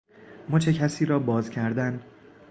مچ کسی را باز کردن